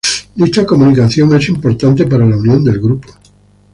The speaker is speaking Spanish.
Dicha comunicación es importante para la unión del grupo.